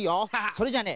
それじゃあね